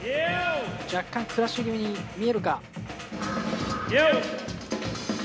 若干クラッシュ気味に見えるか？